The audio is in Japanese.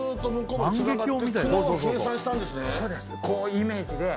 イメージで。